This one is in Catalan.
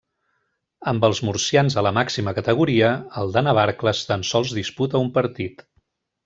Amb els murcians a la màxima categoria, el de Navarcles tan sols disputa un partit.